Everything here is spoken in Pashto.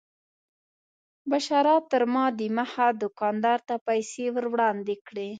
بشرا تر ما دمخه دوکاندار ته پیسې ور وړاندې کړې.